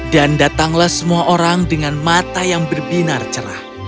dan datanglah semua orang dengan mata yang berbinar cerah